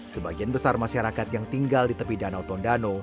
sebagian besar masyarakat yang tinggal di tepi danau tondano